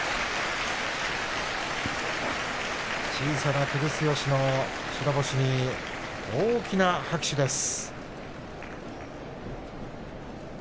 小さな照強の白星に大きな拍手です。